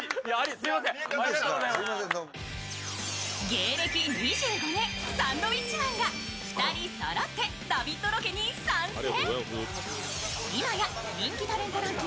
芸歴２５年、サンドウィッチマンが２人そろって、「ラヴィット！」ロケに参戦。